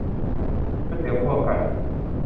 ก๋วยเตี๋ยวคั่วไก่